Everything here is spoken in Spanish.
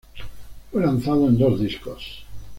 Fue lanzado en dos discos.